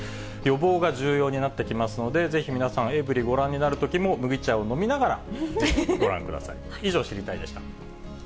予防が重要になってきますので、ぜひ皆さん、エブリィご覧になるときも、麦茶を飲みながら、ぜひご覧ください。